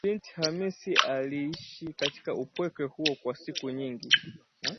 Binti Khamisi aliishi katika upweke huo kwa siku nyingi